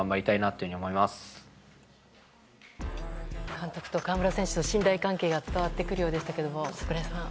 監督と河村選手の信頼関係が伝わってくるようでしたけど櫻井さん。